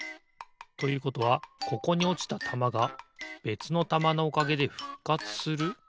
ということはここにおちたたまがべつのたまのおかげでふっかつする？